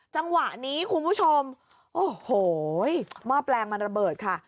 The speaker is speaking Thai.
จังหวะนี้คุณผู้ชมโอ้โหหม้อแปลงมันระเบิดค่ะ